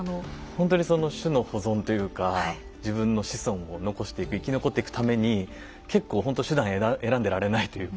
ほんとにその種の保存というか自分の子孫を残していく生き残っていくために結構ほんと手段選んでられないというか。